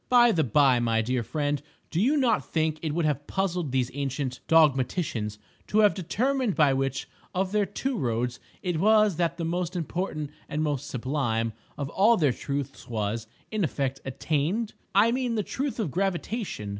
By the by, my dear friend, do you not think it would have puzzled these ancient dogmaticians to have determined by which of their two roads it was that the most important and most sublime of all their truths was, in effect, attained? I mean the truth of Gravitation.